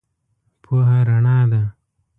پوهه رنا ده.